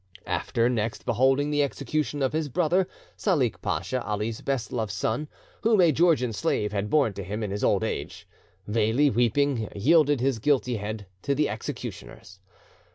After next beholding the execution of his brother, Salik Pacha, Ali's best loved son, whom a Georgian slave had borne to him in his old age, Veli, weeping, yielded his guilty head to the executioners.